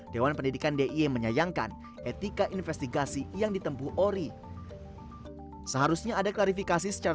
dewan pendidikan dia menyayangkan etika investigasi yang ditempuh ori seharusnya ada klarifikasi secara